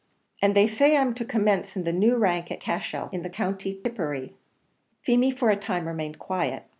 "And they say I'm to commence in the new rank at Cashel, in County Tipperary." Feemy for a time remained quiet.